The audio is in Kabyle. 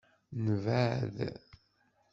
Nebɛed.